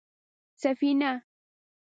_سفينه؟